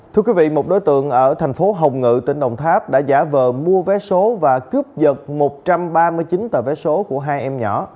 thưa quý vị một đối tượng ở thành phố hồng ngự tỉnh đồng tháp đã giả vờ mua vé số và cướp dật một trăm ba mươi chín tờ vé số của hai em nhỏ